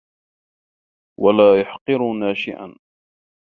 وَلَا يُحَقِّرُوا نَاشِئًا